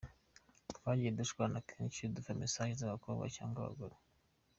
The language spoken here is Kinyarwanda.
Twagiye dushwana kenshi dupfa msg zabakobwa cg abagore.